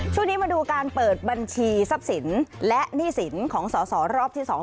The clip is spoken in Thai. ช่วงนี้มาดูการเปิดบัญชีทรัพย์สินและหนี้สินของสอสอรอบที่๒